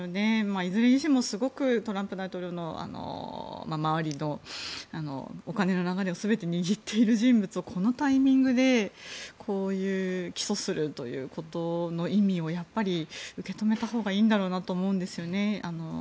いずれにしてもすごくトランプ大統領の周りのお金の流れを全て握っている人物をこのタイミングで起訴するということの意味をやっぱり受け止めたほうがいいんだろうなと思うんですよね。